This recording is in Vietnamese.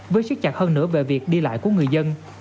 với sức chặt hơn nữa về việc đi lại của người dân